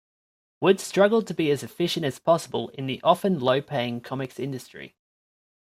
Wood struggled to be as efficient as possible in the often low-paying comics industry.